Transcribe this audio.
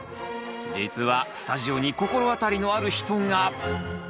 実はスタジオに心当たりのある人が。